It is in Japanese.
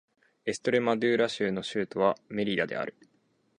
エストレマドゥーラ州の州都はメリダである